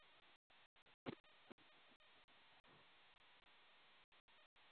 Her name can be translated as Red Torino Girl.